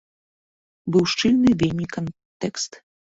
Быў шчыльны вельмі кантэкст.